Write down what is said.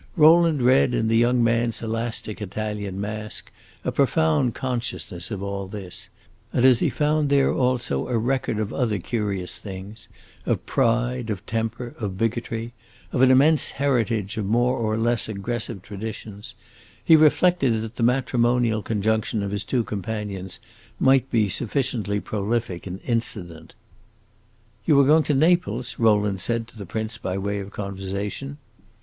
Rowland read in the young man's elastic Italian mask a profound consciousness of all this; and as he found there also a record of other curious things of pride, of temper, of bigotry, of an immense heritage of more or less aggressive traditions he reflected that the matrimonial conjunction of his two companions might be sufficiently prolific in incident. "You are going to Naples?" Rowland said to the prince by way of conversation.